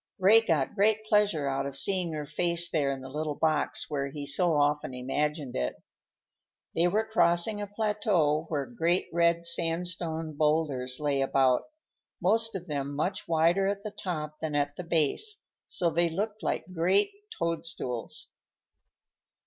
Ray got great pleasure out of seeing her face there in the little box where he so often imagined it. They were crossing a plateau where great red sandstone boulders lay about, most of them much wider at the top than at the base, so that they looked like great toadstools.